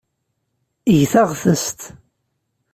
Eg taɣtest.